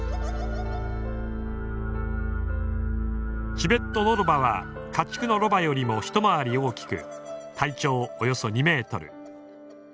チベットノロバは家畜のロバよりも回り大きく体長およそ２ｍ。